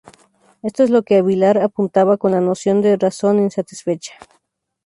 Esto es a lo que Vilar apuntaba con la noción de "razón insatisfecha".